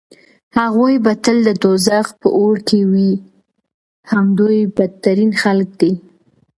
هغوی به تل د دوزخ په اور کې وي همدوی بدترين خلک دي